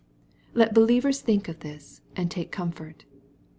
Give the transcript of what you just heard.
Let believers think of this, and take comfort.